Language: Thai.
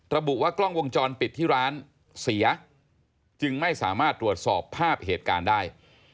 ระบุว่ากล้องวงจรปิดที่ร้านเสียจึงไม่สามารถตรวจสอบภาพเหตุการณ์ได้